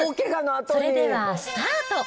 それではスタート。